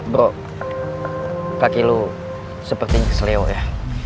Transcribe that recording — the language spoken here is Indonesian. bro kaki lu sepertinya keselio ya